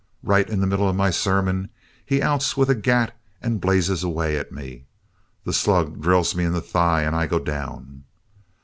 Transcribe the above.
Right in the middle of my sermon he outs with a gat and blazes away at me. The slug drills me in the thigh and I go down.